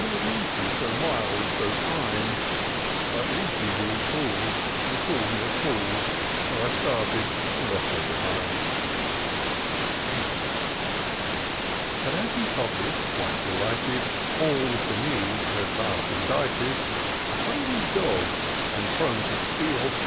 With Lucy so mild and so kind; But Lucy grew cool. And call'd me a fool. So I started and left her behind." But as he copied, qmte delighted, All that the Muse had thus indited, A hungry dog, and prone to steal.